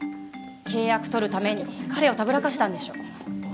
契約取るために彼をたぶらかしたんでしょ？